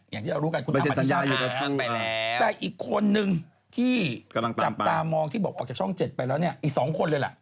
อย่างที่เรารู้กันคุณอาสัญญาอยู่แล้วแต่อีกคนนึงที่จับตามองที่บอกออกจากช่อง๗ไปแล้วเนี่ยอีก๒คนเลยล่ะ